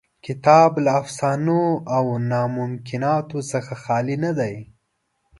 کتاب له افسانو او ناممکناتو څخه خالي نه دی.